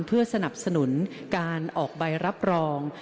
เพื่อสนับสนุนการออกใบรับรอง